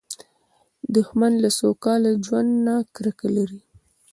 دښمن له سوکاله ژوند نه کرکه لري